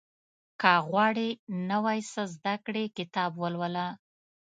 • که غواړې نوی څه زده کړې، کتاب ولوله.